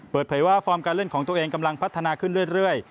เปิดเผยว่าฟอร์มการเล่นของตัวเองกำลังพัฒนาขึ้นเรื่อย